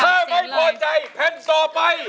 ถ้าไม่โปรดใจเพ็นโซไป